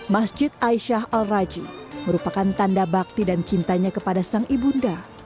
masjid aisyah al raji merupakan tanda bakti dan cintanya kepada sang ibunda